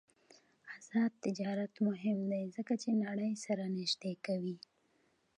آزاد تجارت مهم دی ځکه چې نړۍ سره نږدې کوي.